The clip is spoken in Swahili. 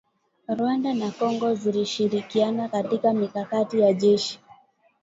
Rwanda na Kongo zilishirikiana katika mikakati ya kijeshi